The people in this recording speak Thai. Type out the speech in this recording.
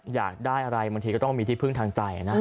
อยากได้อะไรบางทีก็ต้องมีที่พึ่งทางใจนะ